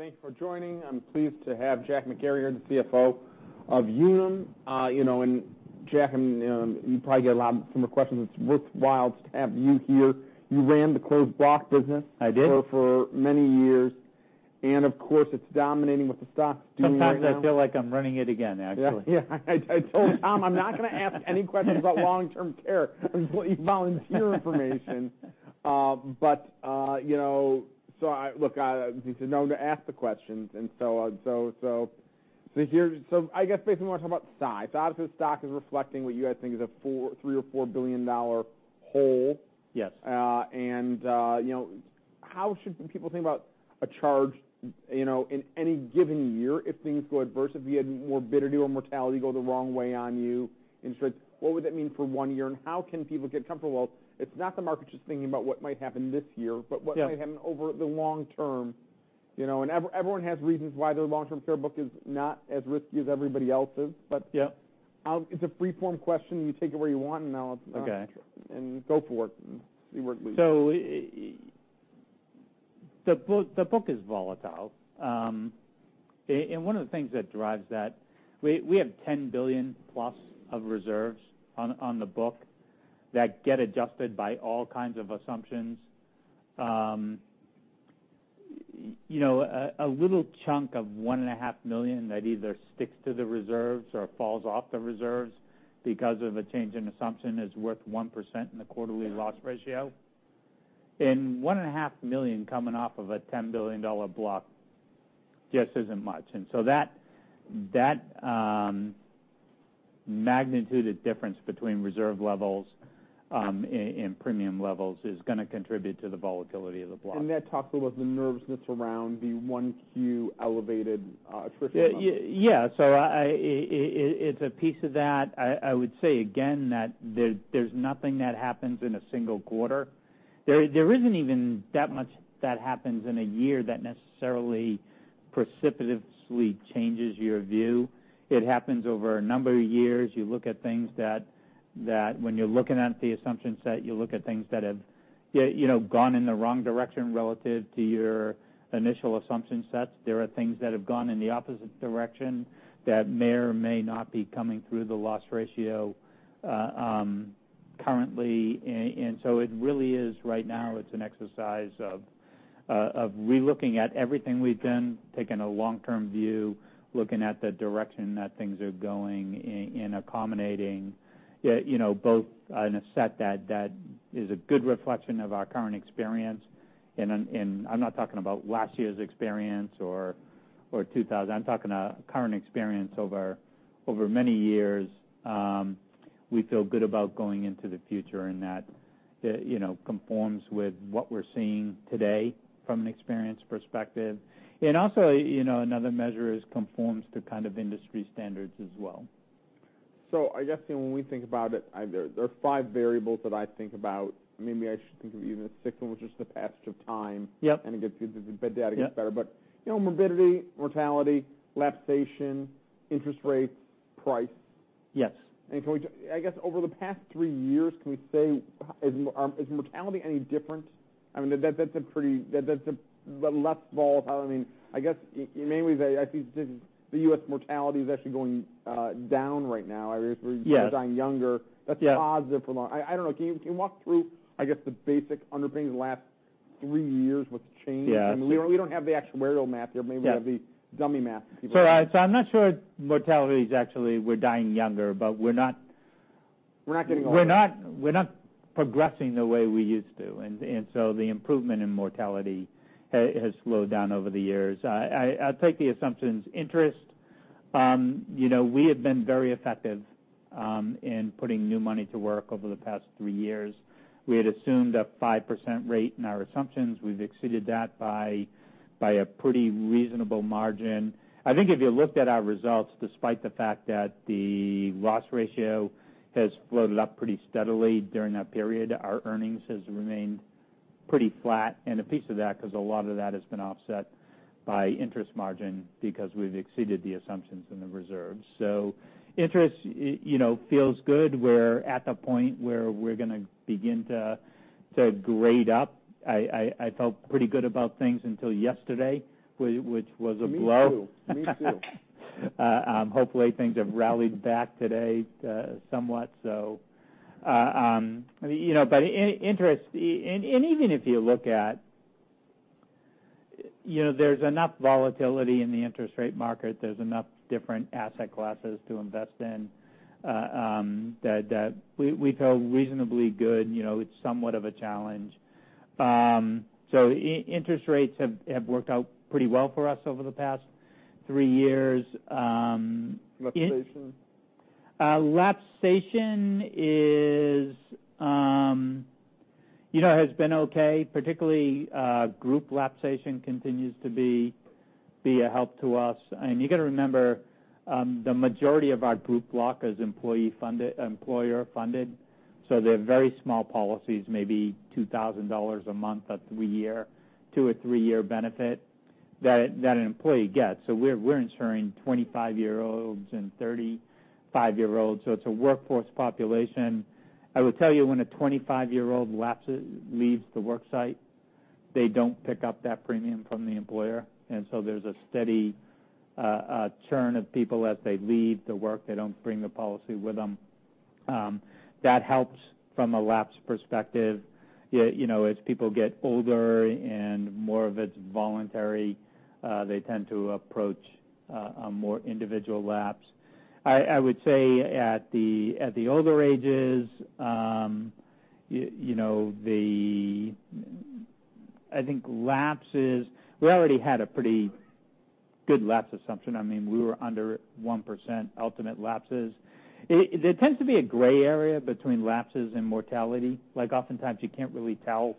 Thanks for joining. I'm pleased to have Jack McGarry here, the CFO of Unum. Jack, you probably get a lot of similar questions. It's worthwhile to have you here. You ran the closed block business- I did for many years, and of course, it's dominating with the stock right now. Sometimes I feel like I'm running it again, actually. Yeah. I told Tom I'm not going to ask any questions about long-term care unless you volunteer information. Look, I'm known to ask the questions, I guess basically we want to talk about size. Obviously, the stock is reflecting what you guys think is a $3 billion or $4 billion hole. Yes. How should people think about a charge in any given year if things go adverse, if you had morbidity or mortality go the wrong way on you, and such, what would that mean for one year, and how can people get comfortable? It's not the market just thinking about what might happen this year. Yeah What might happen over the long term. Everyone has reasons why their long-term care book is not as risky as everybody else's. Yeah It's a free-form question. You take it where you want. Okay Go for it, and see where it leads. The book is volatile. One of the things that drives that, we have $10 billion plus of reserves on the book that get adjusted by all kinds of assumptions. A little chunk of $1.5 million that either sticks to the reserves or falls off the reserves because of a change in assumption is worth 1% in the quarterly loss ratio. $1.5 million coming off of a $10 billion block just isn't much. That magnitude of difference between reserve levels and premium levels is going to contribute to the volatility of the block. That talks about the nervousness around the one Q elevated attrition. Yeah. It's a piece of that. I would say, again, that there's nothing that happens in a single quarter. There isn't even that much that happens in a year that necessarily precipitously changes your view. It happens over a number of years. You look at things that when you're looking at the assumption set, you look at things that have gone in the wrong direction relative to your initial assumption sets. There are things that have gone in the opposite direction that may or may not be coming through the loss ratio currently. It really is right now, it's an exercise of re-looking at everything we've done, taking a long-term view, looking at the direction that things are going, and accommodating both in a set that is a good reflection of our current experience. I'm not talking about last year's experience or 2000. I'm talking current experience over many years. We feel good about going into the future, and that conforms with what we're seeing today from an experience perspective. Also, another measure is conforms to kind of industry standards as well. I guess when we think about it, there are five variables that I think about. Maybe I should think of even a sixth one, which is the passage of time. Yep. The data gets better. Yep. Morbidity, mortality, lapsation, interest rates, price. Yes. I guess over the past three years, can we say, is mortality any different? That's a less volatile I guess, in many ways, I see the U.S. mortality is actually going down right now. Yes. People are dying younger. Yes. That's positive for long. I don't know. Can you walk through, I guess, the basic underpinnings the last three years, what's changed? Yes. We don't have the actuarial map here. Yes. Maybe we'll have the dummy map. I'm not sure mortality is actually we're dying younger, but we're not- We're not getting older. We're not progressing the way we used to, the improvement in mortality has slowed down over the years. I'll take the assumptions. Interest, we have been very effective in putting new money to work over the past three years. We had assumed a 5% rate in our assumptions. We've exceeded that by a pretty reasonable margin. I think if you looked at our results, despite the fact that the loss ratio has floated up pretty steadily during that period, our earnings has remained pretty flat. A piece of that, because a lot of that has been offset by interest margin because we've exceeded the assumptions in the reserves. Interest feels good. We're at the point where we're going to begin to grade up. I felt pretty good about things until yesterday, which was a blow. Me too. Hopefully, things have rallied back today somewhat. Interest, there's enough volatility in the interest rate market, there's enough different asset classes to invest in, that we feel reasonably good. It's somewhat of a challenge. Interest rates have worked out pretty well for us over the past three years. Lapsation? Lapsation has been okay. Particularly group lapsation continues to be a help to us. You got to remember, the majority of our group block is employer-funded, so they're very small policies, maybe $2,000 a month, a two or three-year benefit that an employee gets. We're insuring 25-year-olds and 35-year-olds, so it's a workforce population. I will tell you, when a 25-year-old lapses, leaves the worksite. They don't pick up that premium from the employer, there's a steady churn of people as they leave the work. They don't bring the policy with them. That helps from a lapse perspective. As people get older and more of it's voluntary, they tend to approach a more individual lapse. I would say, at the older ages, I think we already had a pretty good lapse assumption. We were under 1% ultimate lapses. There tends to be a gray area between lapses and mortality. Oftentimes, you can't really tell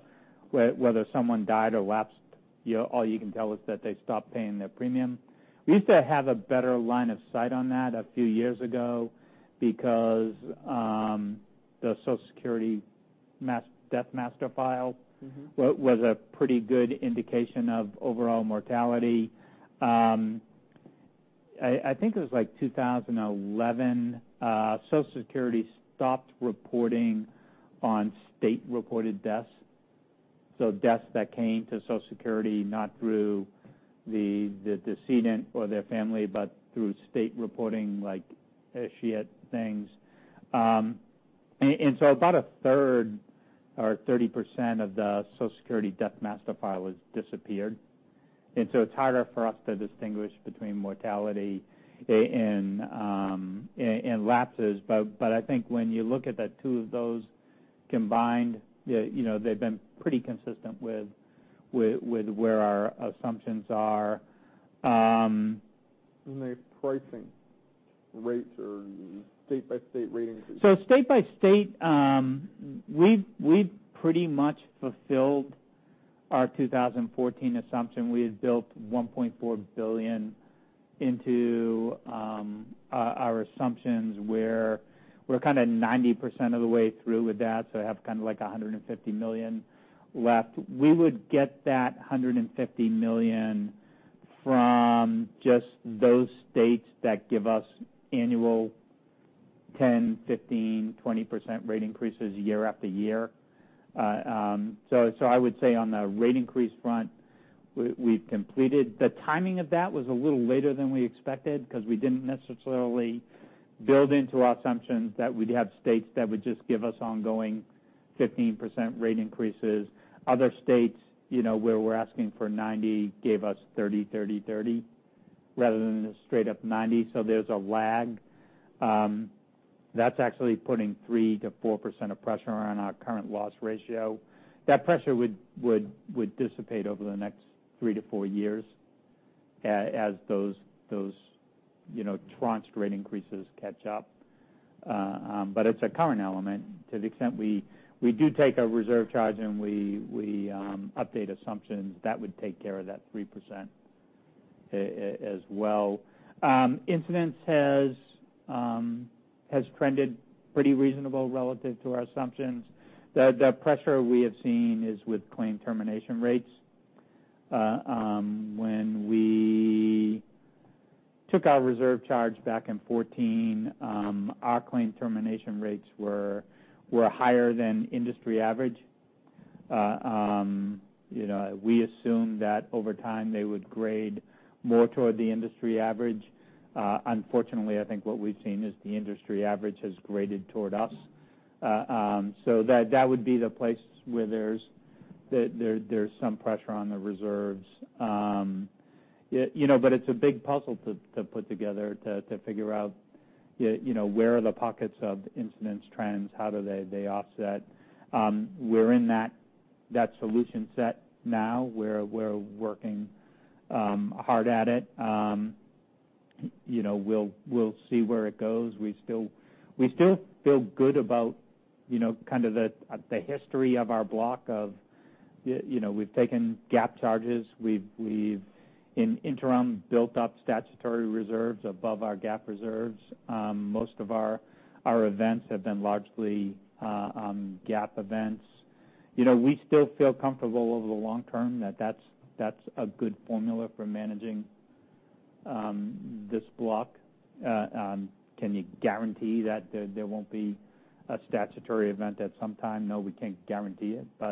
whether someone died or lapsed. All you can tell is that they stopped paying their premium. We used to have a better line of sight on that a few years ago because the Social Security Death Master File was a pretty good indication of overall mortality. I think it was like 2011, Social Security stopped reporting on state-reported deaths, so deaths that came to Social Security not through the decedent or their family, but through state reporting, like escheat things. About a third or 30% of the Social Security Death Master File has disappeared. It's harder for us to distinguish between mortality and lapses. I think when you look at the two of those combined, they've been pretty consistent with where our assumptions are. The pricing rates or state-by-state rating. State-by-state, we've pretty much fulfilled our 2014 assumption. We had built $1.4 billion into our assumptions, where we're kind of 90% of the way through with that, so I have kind of like $150 million left. We would get that $150 million from just those states that give us annual 10%, 15%, 20% rate increases year after year. I would say on the rate increase front, we've completed. The timing of that was a little later than we expected because we didn't necessarily build into our assumptions that we'd have states that would just give us ongoing 15% rate increases. Other states, where we're asking for 90, gave us 30, 30, rather than a straight up 90. There's a lag. That's actually putting 3%-4% of pressure on our current loss ratio. That pressure would dissipate over the next three to four years as those tranches rate increases catch up. It's a current element to the extent we do take a reserve charge, and we update assumptions, that would take care of that 3% as well. Incidence has trended pretty reasonable relative to our assumptions. The pressure we have seen is with claim termination rates. When we took our reserve charge back in 2014, our claim termination rates were higher than industry average. We assumed that over time, they would grade more toward the industry average. Unfortunately, I think what we've seen is the industry average has graded toward us. That would be the place where there's some pressure on the reserves. It's a big puzzle to put together to figure out where are the pockets of incidence trends, how do they offset. We're in that solution set now, where we're working hard at it. We'll see where it goes. We still feel good about kind of the history of our block of we've taken GAAP charges. We've, in interim, built up statutory reserves above our GAAP reserves. Most of our events have been largely GAAP events. We still feel comfortable over the long term that that's a good formula for managing this block. Can you guarantee that there won't be a statutory event at some time? No, we can't guarantee it.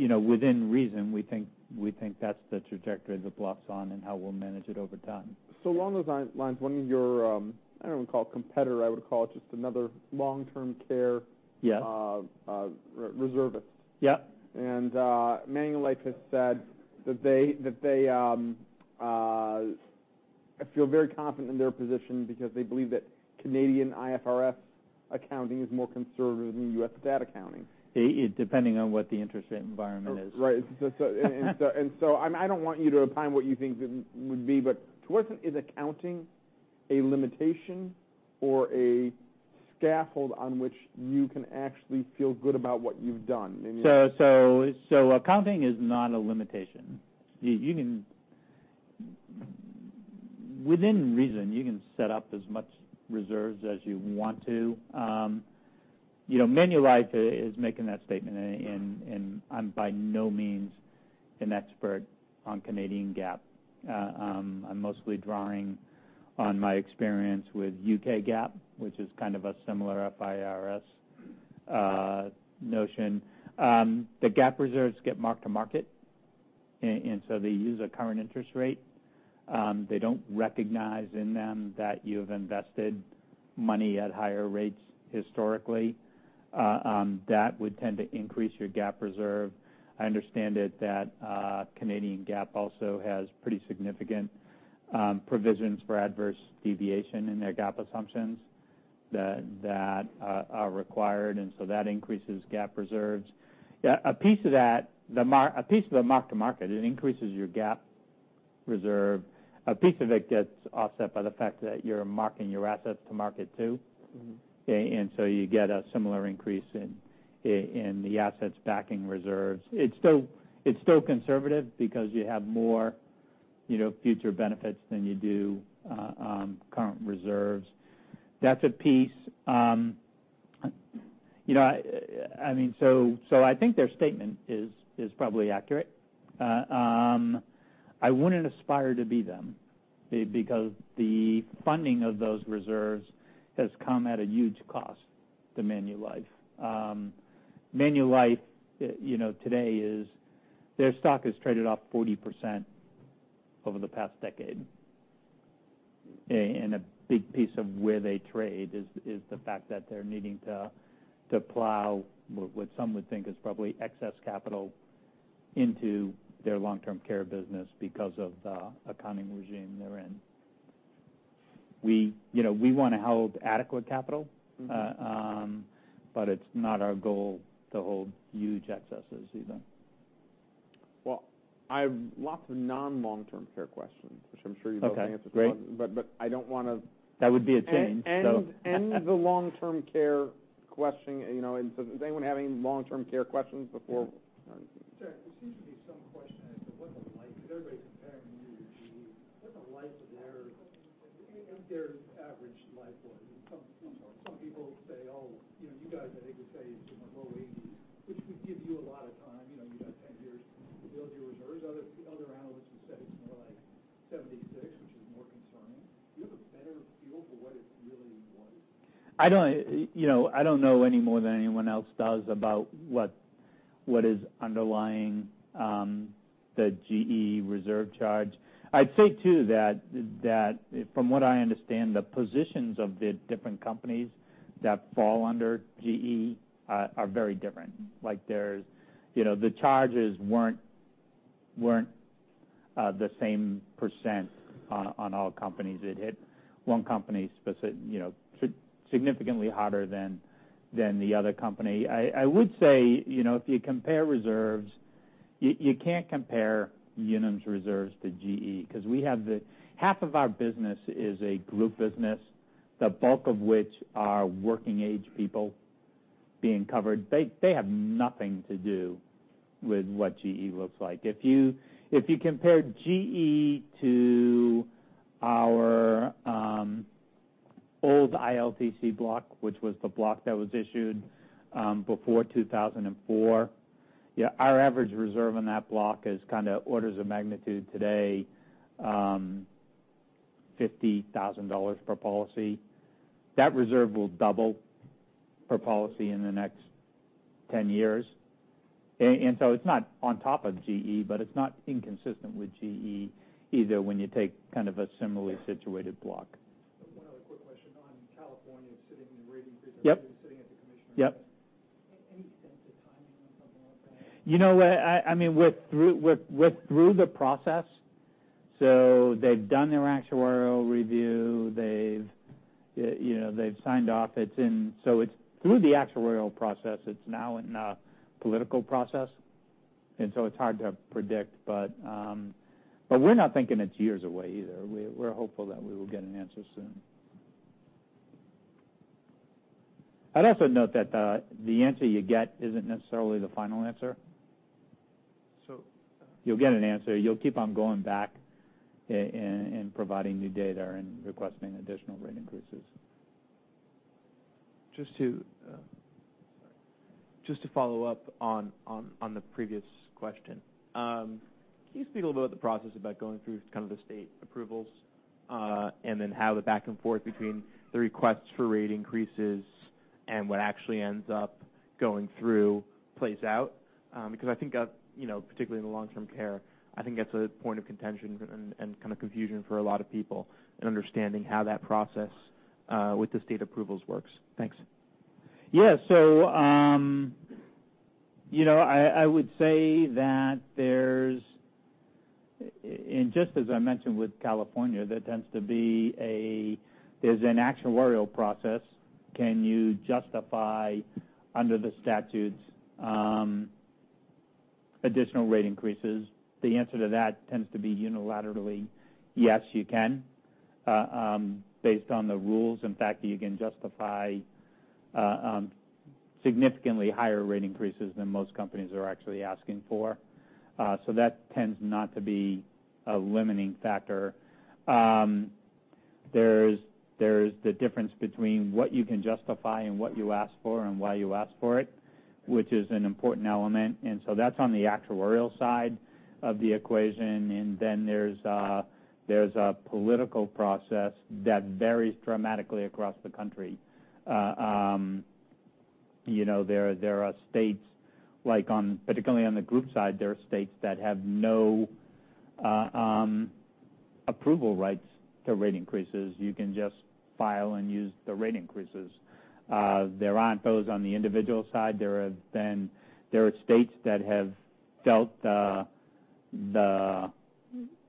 Within reason, we think that's the trajectory the block's on and how we'll manage it over time. Along those lines, one of your, I don't want to call competitor, I would call it just another long-term care. Yes reservist. Yep. Manulife has said that they feel very confident in their position because they believe that Canadian IFRS accounting is more conservative than U.S. GAAP accounting. Depending on what the interest rate environment is. Right. I don't want you to opine what you think it would be, but to what extent is accounting a limitation or a scaffold on which you can actually feel good about what you've done? Accounting is not a limitation. Within reason, you can set up as much reserves as you want to. Manulife is making that statement. I'm by no means an expert on Canadian GAAP. I'm mostly drawing on my experience with U.K. GAAP, which is kind of a similar IFRS notion. The GAAP reserves get marked to market. They use a current interest rate. They don't recognize in them that you've invested money at higher rates historically. That would tend to increase your GAAP reserve. I understand it that Canadian GAAP also has pretty significant provisions for adverse deviation in their GAAP assumptions that are required. That increases GAAP reserves. A piece of the mark to market, it increases your GAAP reserve. A piece of it gets offset by the fact that you're marking your assets to market too. You get a similar increase in the assets backing reserves. It's still conservative because you have more future benefits than you do current reserves. That's a piece. I think their statement is probably accurate. I wouldn't aspire to be them because the funding of those reserves has come at a huge cost to Manulife. Manulife today is their stock has traded off 40% over the past decade. A big piece of where they trade is the fact that they're needing to plow what some would think is probably excess capital into their long-term care business because of the accounting regime they're in. We want to hold adequate capital. It's not our goal to hold huge excesses either. Well, I have lots of non long-term care questions, which I'm sure you'll- Okay, great. answer, but I don't want. That would be a change. End the long-term care questioning. Does anyone have any long-term care questions before? Jack, there seems to be some question as to what the life, because everybody's comparing you to GE. What's the life of their average life what? Some people say, oh, you guys, I think would say it's in the low 80s, which would give you a lot of time. You've got 10 years to build your reserves. Other analysts have said it's more like 76, which is more concerning. Do you have a better feel for what it really was? I don't know any more than anyone else does about what is underlying the GE reserve charge. I'd say too that from what I understand, the positions of the different companies that fall under GE are very different. The charges weren't the same % on all companies. It hit one company significantly harder than the other company. I would say, if you compare reserves, you can't compare Unum's reserves to GE, because half of our business is a group business, the bulk of which are working age people being covered. They have nothing to do with what GE looks like. If you compared GE to our old ILTC block, which was the block that was issued before 2004, yeah, our average reserve on that block is orders of magnitude today, $50,000 per policy. That reserve will double per policy in the next 10 years. It's not on top of GE, but it's not inconsistent with GE either when you take a similarly situated block. One other quick question on California sitting and rating? Yep sitting at the commissioner- Yep Any sense of timing on something like that? We're through the process. They've done their actuarial review. They've signed off. It's through the actuarial process. It's now in a political process, it's hard to predict. We're not thinking it's years away either. We're hopeful that we will get an answer soon. I'd also note that the answer you get isn't necessarily the final answer. So- You'll get an answer. You'll keep on going back and providing new data and requesting additional rate increases. Just to follow up on the previous question. Can you speak a little about the process about going through the state approvals, and then how the back and forth between the requests for rate increases and what actually ends up going through plays out? Because I think, particularly in the long-term care, I think that's a point of contention and kind of confusion for a lot of people in understanding how that process with the state approvals works. Thanks. Yeah. I would say that there's, and just as I mentioned with California, there tends to be an actuarial process. Can you justify under the statutes additional rate increases? The answer to that tends to be unilaterally, yes, you can, based on the rules. In fact, you can justify significantly higher rate increases than most companies are actually asking for. That tends not to be a limiting factor. There's the difference between what you can justify and what you ask for and why you ask for it, which is an important element. That's on the actuarial side of the equation. There's a political process that varies dramatically across the country. There are states, particularly on the group side, there are states that have no approval rights to rate increases. You can just file and use the rate increases. There aren't those on the individual side. There are states that have felt the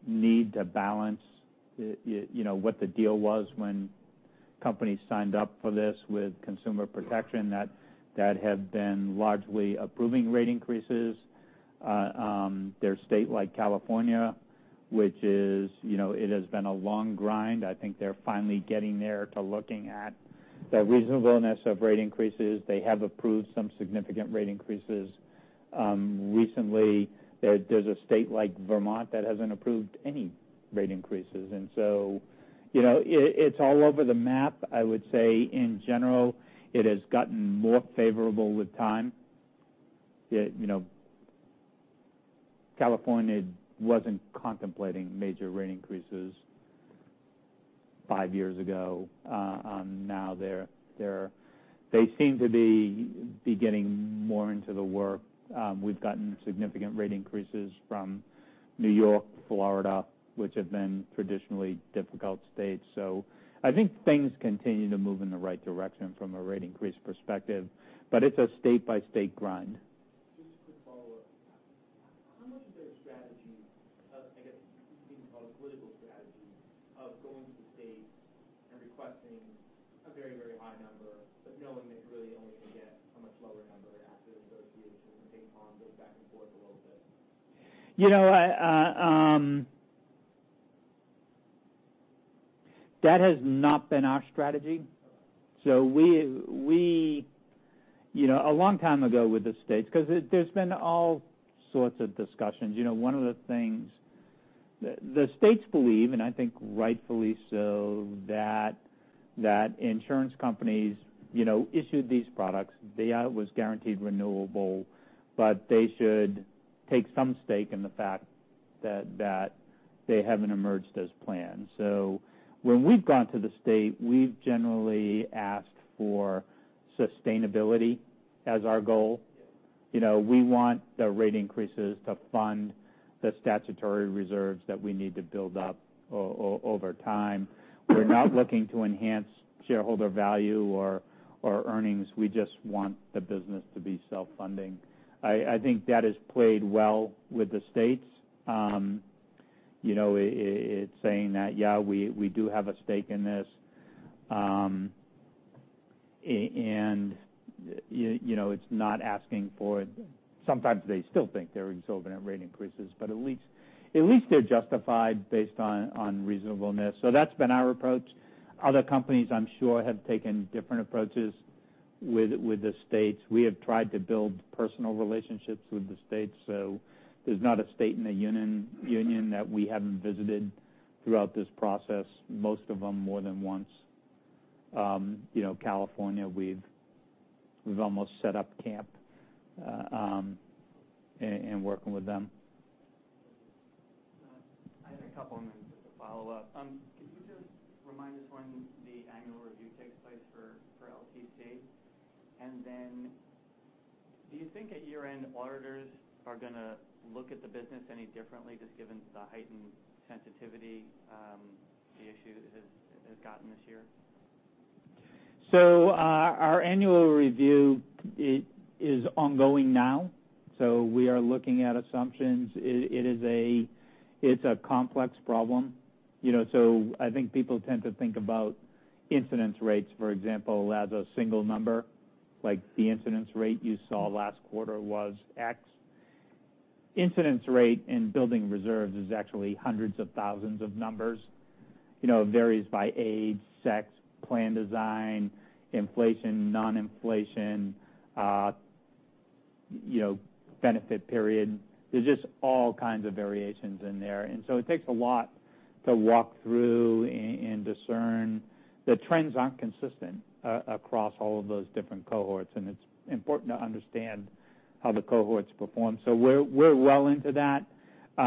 need to balance what the deal was when companies signed up for this with consumer protection that had been largely approving rate increases. There are states like California, which it has been a long grind. I think they're finally getting there to looking at the reasonableness of rate increases. They have approved some significant rate increases. Recently, there's a state like Vermont that hasn't approved any rate increases. It's all over the map. I would say, in general, it has gotten more favorable with time. California wasn't contemplating major rate increases five years ago. Now they seem to be getting more into the work. We've gotten significant rate increases from New York, Florida, which have been traditionally difficult states. I think things continue to move in the right direction from a rate increase perspective, but it's a state-by-state grind. Just a quick follow-up. How much is their strategy of, I guess, you can call it political strategy of going to the states and requesting a very, very high number, but knowing that you're really only going to get a much lower number after the negotiation from ping pong goes back and forth a little bit? That has not been our strategy. A long time ago with the states, because there's been all sorts of discussions. One of the things, the states believe, and I think rightfully so, that insurance companies issued these products. It was guaranteed renewable, but they should take some stake in the fact that they haven't emerged as planned. When we've gone to the state, we've generally asked for sustainability as our goal. Yes. We want the rate increases to fund the statutory reserves that we need to build up over time. We're not looking to enhance shareholder value or earnings. We just want the business to be self-funding. I think that has played well with the states. It's saying that, "Yeah, we do have a stake in this." It's not. Sometimes they still think they're exorbitant rate increases, but at least they're justified based on reasonableness. That's been our approach. Other companies, I'm sure, have taken different approaches with the states. We have tried to build personal relationships with the states. There's not a state in the union that we haven't visited throughout this process, most of them more than once. California, we've almost set up camp in working with them. I had a couple, just to follow up. Can you just remind us when the annual review takes place for LTC? Do you think at year-end, auditors are going to look at the business any differently, just given the heightened sensitivity the issue has gotten this year? Our annual review is ongoing now. We are looking at assumptions. It is a complex problem. I think people tend to think about incidence rates, for example, as a single number. Like the incidence rate you saw last quarter was X. Incidence rate in building reserves is actually hundreds of thousands of numbers. It varies by age, sex, plan design, inflation, non-inflation, benefit period. There is just all kinds of variations in there. It takes a lot to walk through and discern. The trends aren't consistent across all of those different cohorts, and it is important to understand how the cohorts perform. We are well into that. We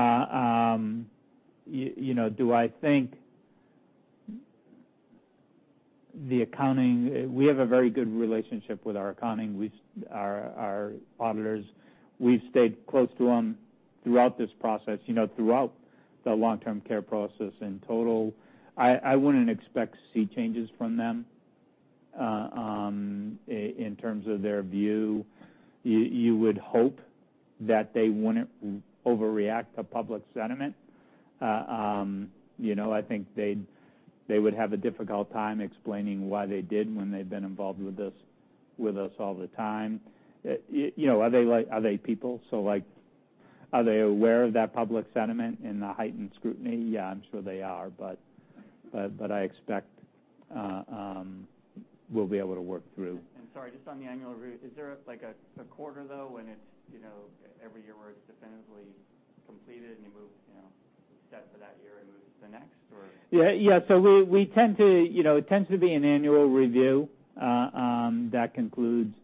have a very good relationship with our accounting, our auditors. We have stayed close to them throughout this process, throughout the long-term care process in total. I wouldn't expect to see changes from them in terms of their view. You would hope that they wouldn't overreact to public sentiment. I think they would have a difficult time explaining why they did when they've been involved with us all the time. Are they people? Are they aware of that public sentiment and the heightened scrutiny? Yeah, I'm sure they are. I expect we will be able to work through. Sorry, just on the annual review, is there a quarter, though, when it's every year where it's definitively completed and you set for that year and move to the next, or? Yeah. It tends to be an annual review that concludes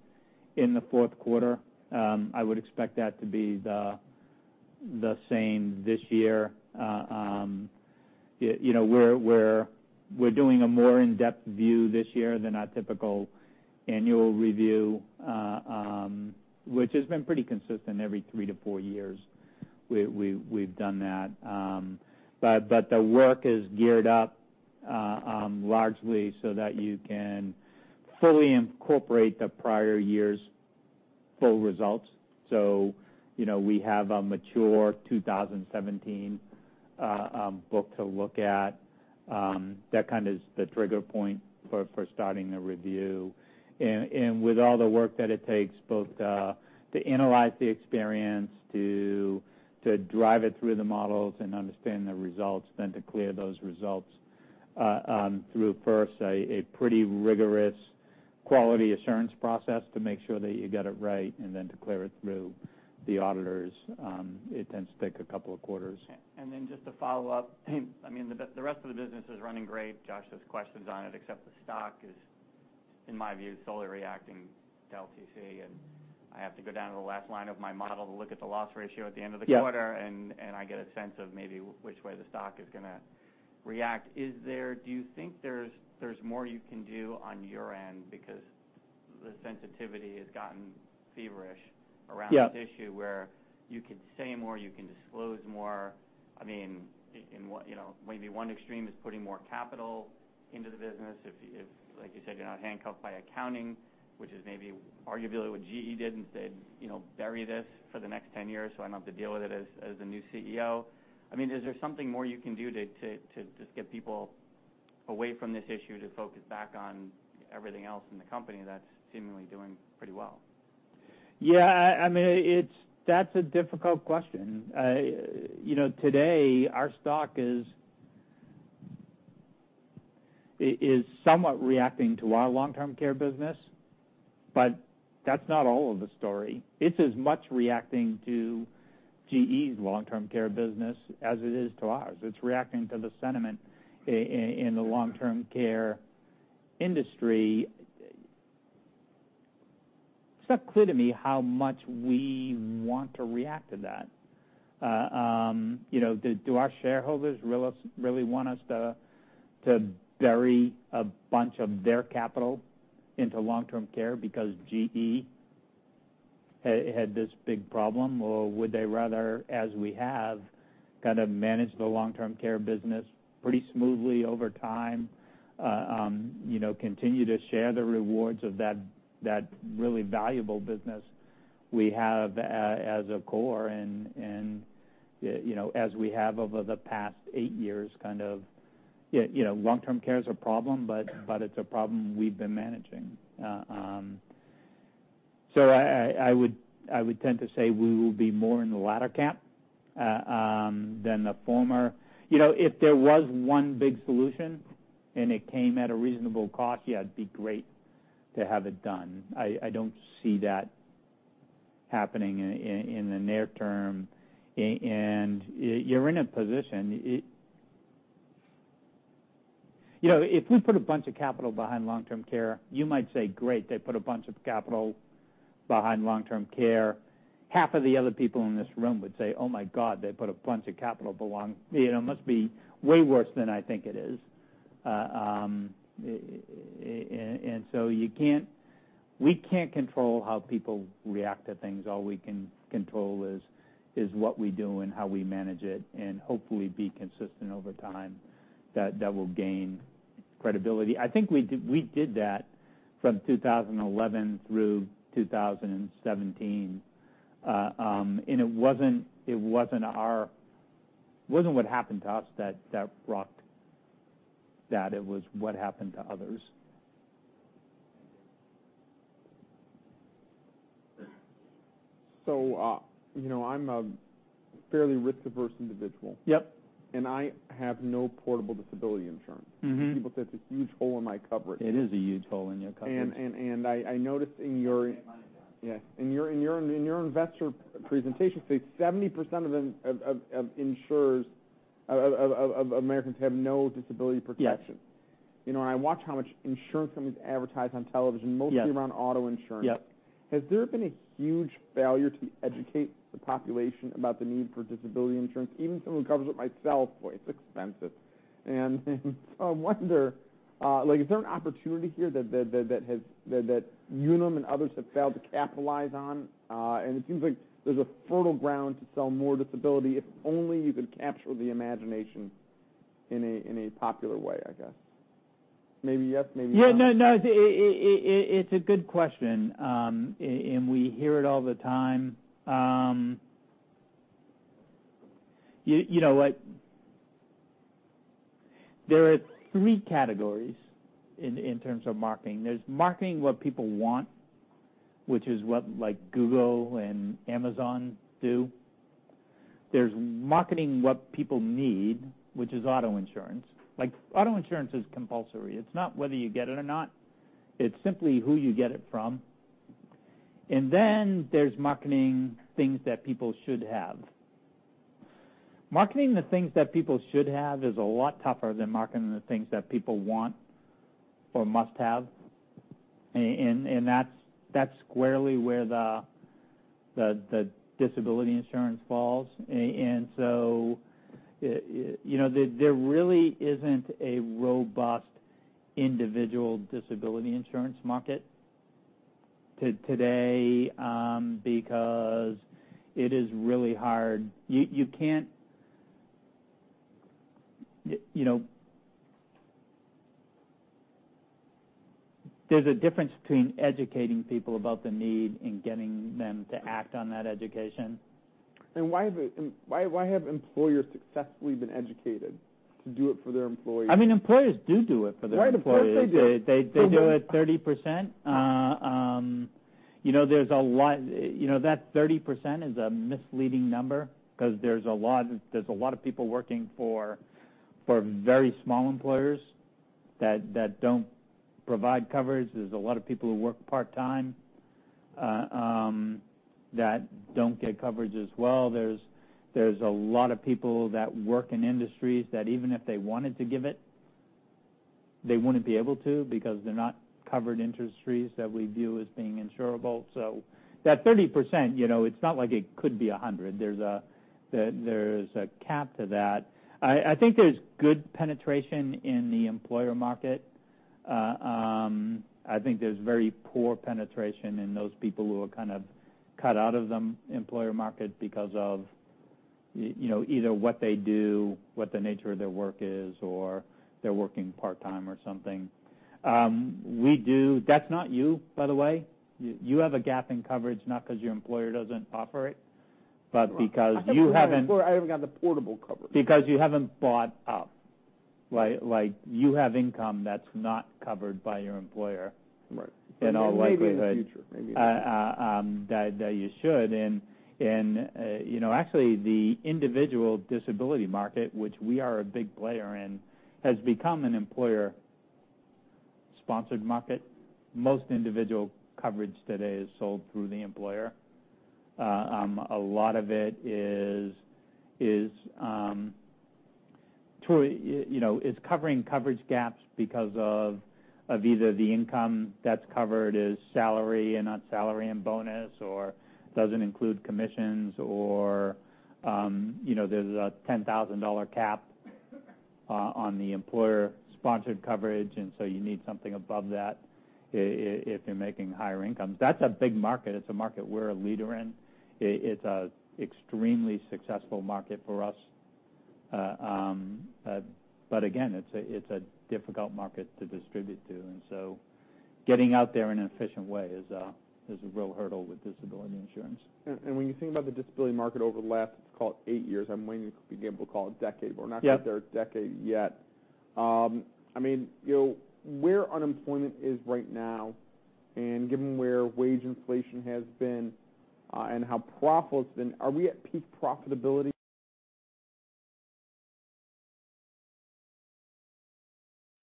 in the fourth quarter. I would expect that to be the same this year. We are doing a more in-depth view this year than our typical annual review, which has been pretty consistent every three to four years, we've done that. The work is geared up largely so that you can fully incorporate the prior year's full results. We have a mature 2017 book to look at. That is the trigger point for starting the review. With all the work that it takes, both to analyze the experience, to drive it through the models and understand the results, then to clear those results through first a pretty rigorous quality assurance process to make sure that you get it right, and then to clear it through the auditors, it tends to take a couple of quarters. Just to follow up, the rest of the business is running great. Josh has questions on it, except the stock is, in my view, solely reacting to LTC, I have to go down to the last line of my model to look at the loss ratio at the end of the quarter. Yeah I get a sense of maybe which way the stock is going to react. Do you think there's more you can do on your end because the sensitivity has gotten feverish around. Yeah This issue where you could say more, you can disclose more. Maybe one extreme is putting more capital into the business if, like you said, you're not handcuffed by accounting, which is maybe arguably what GE did, and said, "Bury this for the next 10 years so I don't have to deal with it as the new CEO." Is there something more you can do to just get people away from this issue to focus back on everything else in the company that's seemingly doing pretty well? That's a difficult question. Today, our stock is somewhat reacting to our long-term care business, but that's not all of the story. It's as much reacting to GE's long-term care business as it is to ours. It's reacting to the sentiment in the long-term care industry. It's not clear to me how much we want to react to that. Do our shareholders really want us to bury a bunch of their capital into long-term care because GE had this big problem? Or would they rather, as we have, kind of manage the long-term care business pretty smoothly over time, continue to share the rewards of that really valuable business we have as a core and as we have over the past eight years. Long-term care is a problem, but it's a problem we've been managing. I would tend to say we will be more in the latter camp than the former. If there was one big solution and it came at a reasonable cost, yeah, it'd be great to have it done. I don't see that happening in the near term. If we put a bunch of capital behind long-term care, you might say, "Great, they put a bunch of capital behind long-term care." Half of the other people in this room would say, "Oh, my God, they put a bunch of capital behind. It must be way worse than I think it is." We can't control how people react to things. All we can control is what we do and how we manage it, and hopefully be consistent over time that will gain credibility. I think we did that from 2011 through 2017. It wasn't what happened to us that rocked that. It was what happened to others. I'm a fairly risk-averse individual. Yep. I have no portable disability insurance. People say it's a huge hole in my coverage. It is a huge hole in your coverage. I noticed in your- You can get mine done. Yeah. In your investor presentation, say 70% of Americans have no disability protection. Yes. I watch how much insurance companies advertise on television. Yes mostly around auto insurance. Yep. Has there been a huge failure to educate the population about the need for disability insurance? Even someone who covers it myself, boy, it's expensive. I wonder, is there an opportunity here that Unum and others have failed to capitalize on? It seems like there's a fertile ground to sell more disability if only you could capture the imagination in a popular way, I guess. Maybe yes, maybe not. Yeah. No. It's a good question. We hear it all the time. There are three categories in terms of marketing. There's marketing what people want, which is what Google and Amazon do. There's marketing what people need, which is auto insurance. Auto insurance is compulsory. It's not whether you get it or not, it's simply who you get it from. There's marketing things that people should have. Marketing the things that people should have is a lot tougher than marketing the things that people want or must have. That's squarely where the disability insurance falls. There really isn't a robust individual disability insurance market today, because it is really hard. There's a difference between educating people about the need and getting them to act on that education. Why have employers successfully been educated to do it for their employees? Employers do it for their employees. Right, of course they do. They do it 30%. That 30% is a misleading number because there's a lot of people working for very small employers that don't provide coverage. There's a lot of people who work part-time, that don't get coverage as well. There's a lot of people that work in industries that even if they wanted to give it, they wouldn't be able to because they're not covered industries that we view as being insurable. That 30%, it's not like it could be 100. There's a cap to that. I think there's good penetration in the employer market. I think there's very poor penetration in those people who are kind of cut out of the employer market because of either what they do, what the nature of their work is, or they're working part-time or something. That's not you, by the way. You have a gap in coverage, not because your employer doesn't offer it, but because you haven't- I haven't got the portable coverage because you haven't bought up. You have income that's not covered by your employer. Right. Maybe in the future. In all likelihood that you should. Actually, the individual disability market, which we are a big player in, has become an employer-sponsored market. Most individual coverage today is sold through the employer. A lot of it is covering coverage gaps because of either the income that's covered is salary and not salary and bonus, or doesn't include commissions, or there's a $10,000 cap on the employer-sponsored coverage, so you need something above that if you're making higher incomes. That's a big market. It's a market we're a leader in. It's a extremely successful market for us. Again, it's a difficult market to distribute to. Getting out there in an efficient way is a real hurdle with disability insurance. When you think about the disability market over the last, call it eight years, I'm waiting to be able to call it a decade, but we're not. Yep Quite there a decade yet. Where unemployment is right now and given where wage inflation has been, and how profit's been, are we at peak profitability?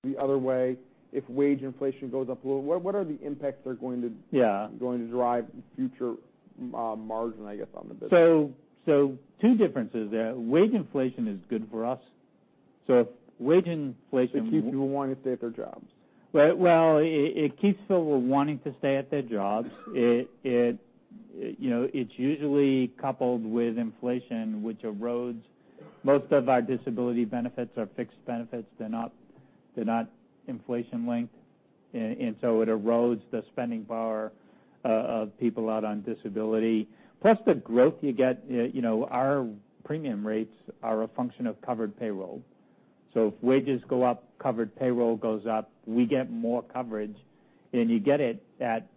The other way, if wage inflation goes up a little, what are the impacts that are going to. Yeah drive future margin, I guess, on the business. Two differences there. Wage inflation is good for us. It keeps people wanting to stay at their jobs. Well, it keeps people wanting to stay at their jobs. It's usually coupled with inflation. Most of our disability benefits are fixed benefits. They're not inflation-linked. It erodes the spending power of people out on disability. Plus the growth you get, our premium rates are a function of covered payroll. If wages go up, covered payroll goes up, we get more coverage, and you get it at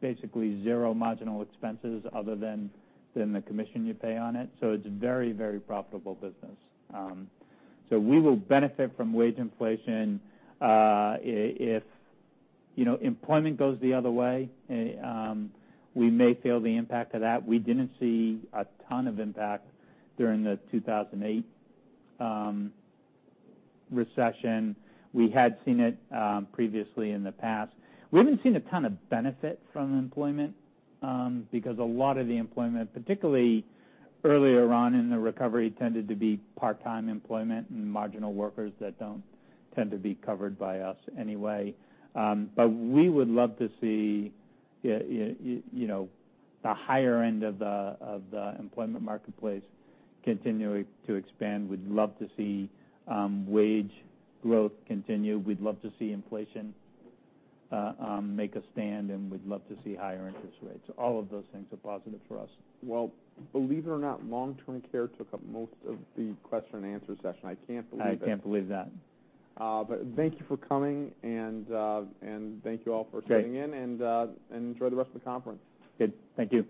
basically zero marginal expenses other than the commission you pay on it. It's a very profitable business. We will benefit from wage inflation. If employment goes the other way, we may feel the impact of that. We didn't see a ton of impact during the 2008 Recession. We had seen it previously in the past. We haven't seen a ton of benefit from employment, because a lot of the employment, particularly earlier on in the recovery, tended to be part-time employment and marginal workers that don't tend to be covered by us anyway. We would love to see the higher end of the employment marketplace continuing to expand. We'd love to see wage growth continue. We'd love to see inflation make a stand, and we'd love to see higher interest rates. All of those things are positive for us. Well, believe it or not, long-term care took up most of the question and answer session. I can't believe it. I can't believe that. Thank you for coming and thank you all for tuning in. Great. Enjoy the rest of the conference. Good. Thank you.